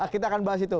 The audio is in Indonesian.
kita akan bahas itu